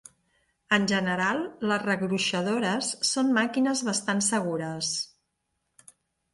En general les regruixadores són màquines bastant segures.